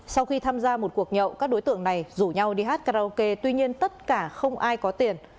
sau khi tham gia một cuộc nhậu các đối tượng này rủ nhau đi hát karaoke tuy nhiên tất cả không ai có tiền